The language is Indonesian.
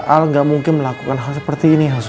al nggak mungkin melakukan hal seperti ini elsa